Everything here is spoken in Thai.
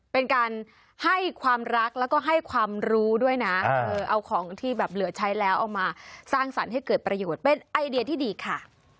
เป็นการให้ความรักแล้วก็ให้ความรู้ด้วยนะเอาของที่แบบเหลือใช้แล้วเอามาสร้างสรรค์ให้เกิดประโยชน์เป็นไอเดียที่ดีค่ะ